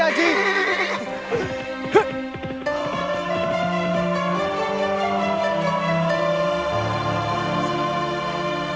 tunggu tunggu tunggu